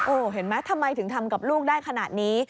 โอ้โหเห็นไหมทำไมถึงทำกับลูกได้ขนาดนี้